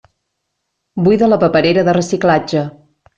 Buida la paperera de reciclatge.